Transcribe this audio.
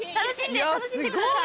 楽しんでください！